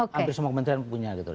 hampir semua kementerian punya gitu